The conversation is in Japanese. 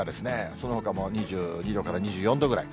そのほかも２２度から２４度ぐらい。